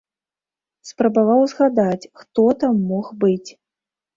Спрабаваў узгадаць, хто там мог быць.